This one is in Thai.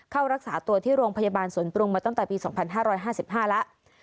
เข้ารักษาตัวที่โรงพยาบาลสวนปรุงมาตั้งแต่ปี๒๕๕๕แล้ว